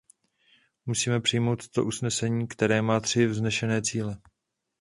Musíme přijmout toto usnesení, které má tři vznešené cíle.